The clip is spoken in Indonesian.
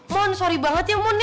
mon sorry banget ya mon ya